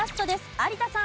有田さん。